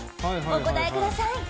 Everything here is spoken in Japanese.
お答えください。